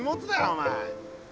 お前。